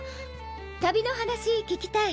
旅の話聞きたい。